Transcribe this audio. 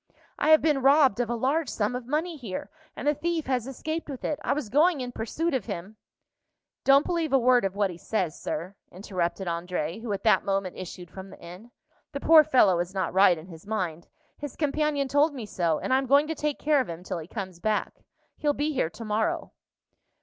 "I have been robbed of a large sum of money here, and the thief has escaped with it. I was going in pursuit of him " "Don't believe a word of what he says, Sir," interrupted André, who at that moment issued from the inn. "The poor fellow is not right in his mind. His companion told me so, and I am going to take care of him till he comes back. He'll be here to morrow."